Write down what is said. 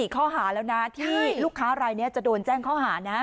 ข้อหาแล้วนะที่ลูกค้ารายนี้จะโดนแจ้งข้อหานะ